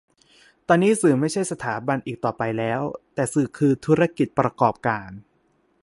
ตอนนี้สื่อไม่ใช่สถาบันอีกต่อไปแล้ว แต่สื่อคือธุรกิจประกอบการ